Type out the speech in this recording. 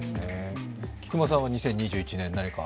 菊間さんは２０２１年、何か？